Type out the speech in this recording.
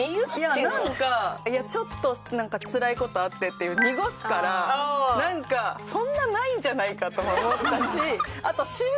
なんか「いやちょっとなんかつらい事あって」って濁すからなんかそんなないんじゃないかとも思ったし。